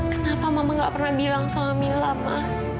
kenapa mama gak pernah bilang sama mila ma